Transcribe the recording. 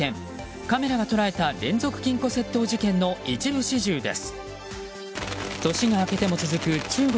カメラが捉えた連続金庫窃盗事件の一部始終です。